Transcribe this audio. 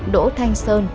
đỗ thanh sơn